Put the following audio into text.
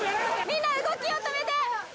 みんな動きを止めて！